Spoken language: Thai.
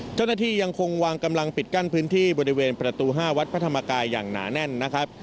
ยังคงวางกำลังปิดกั้นพื้นที่บริเวณประตู๕วัดพระธรรมกายอย่างหนาแน่นนะครับ